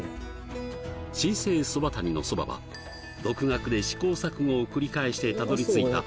新生そば谷のそばは独学で試行錯誤を繰り返してたどり着いた